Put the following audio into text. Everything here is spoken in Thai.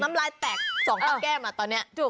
น้ำลายแตกสองตั้งแก้มอ่ะตอนนี้